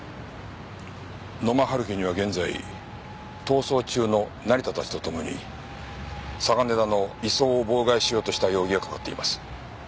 野間春樹には現在逃走中の成田たちとともに嵯峨根田の移送を妨害しようとした容疑がかかっています。